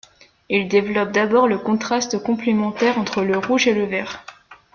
Il développe d'abord le contraste complémentaire entre le rouge et le vert.